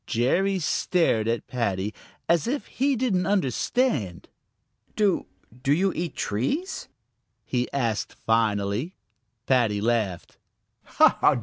Jerry stared at Paddy as if he didn't understand. "Do do you eat trees?" he asked finally. Paddy laughed.